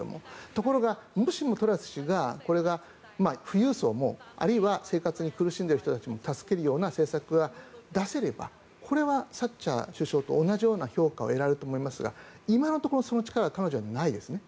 ところがトラス氏が富裕層もあるいは生活に苦しんでいる人たちも助けるような政策が出せればこれはサッチャー首相と同じような評価を得られると思いますが今のところその力は彼女にはないですね。